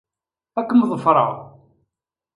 Ad kem-ḍefreɣ.